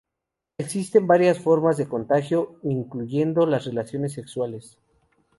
Existen varias formas de contagio, incluyendo las relaciones sexuales.